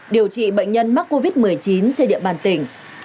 điều trị bệnh nhân mắc covid một mươi chín trên địa bàn tỉnh